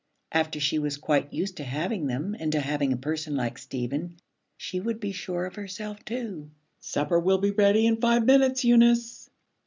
After she was quite used to having them and to having a person like Stephen, she would be sure of herself too. 'Supper will be ready in five minutes, Eunice.'